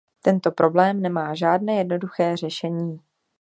Tento problém nemá žádné jednoduché řešení.